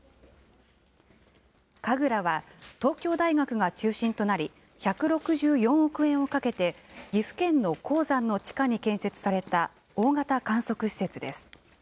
ＫＡＧＲＡは、東京大学が中心となり、１６４億円をかけて岐阜県の鉱山の地下に建設された大型観測施設です。